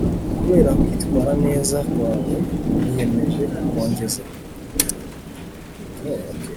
kubera kwitwara neza kwawe niyemeje kukongeza